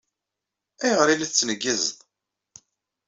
Ayɣer ay la tettneggizeḍ?